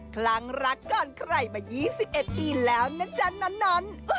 ครั้งรักก่อนใครมายี่สิบเอ็ดปีแล้วนะจ๊ะนนอน